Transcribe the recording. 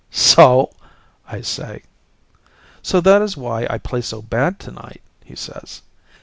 "So?" I say. "So that is why I play so bad tonight," he says.